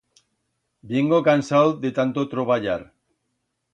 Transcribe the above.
Viengo cansau de tanto troballar.